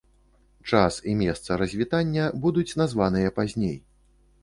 Час і месца развітання будуць названыя пазней.